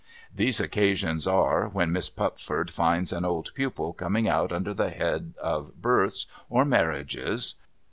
These occasions are, when Miss Pupford finds an old pupil coming out under the head of Births, or Marriages.